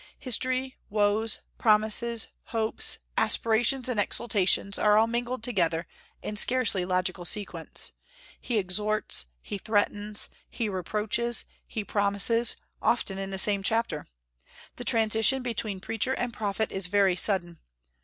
History, woes, promises, hopes, aspirations, and exultations are all mingled together in scarcely logical sequence. He exhorts, he threatens, he reproaches, he promises, often in the same chapter. The transition between preacher and prophet is very sudden.